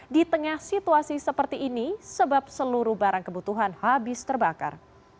di tengah situasi seperti ini sebab seluruh barang kebutuhan habis terbakar